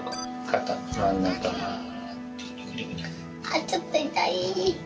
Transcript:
あっちょっといたい。